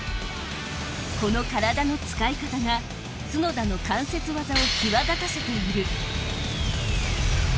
この体の使い方が角田の関節技を際立たせている。